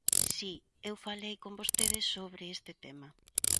Si, eu falei con vostede sobre este tema.